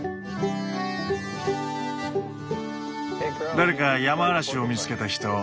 誰かヤマアラシを見つけた人？